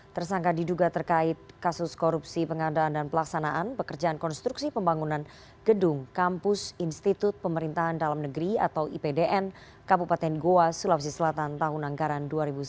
tersangka diduga terkait kasus korupsi pengadaan dan pelaksanaan pekerjaan konstruksi pembangunan gedung kampus institut pemerintahan dalam negeri atau ipdn kabupaten goa sulawesi selatan tahun anggaran dua ribu sembilan belas